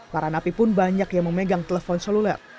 para napi pun banyak yang memegang telepon seluler